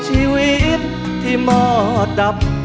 ชีวิตที่หมอดับ